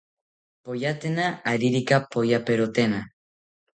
Poyatena aririka poyaperotena